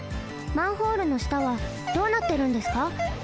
マンホールのしたはどうなってるんですか？